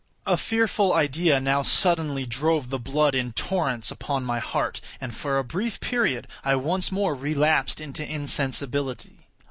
A fearful idea now suddenly drove the blood in torrents upon my heart, and for a brief period, I once more relapsed into insensibility.